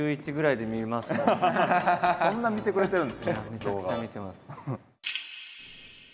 めちゃくちゃ見てます。